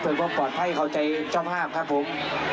พลินก็ปลอดภัยเข้าใจเจ้าภาพครับผม